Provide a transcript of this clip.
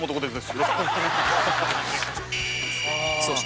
よろしくお願いします。